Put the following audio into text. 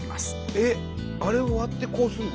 えっあれを割ってこうするの？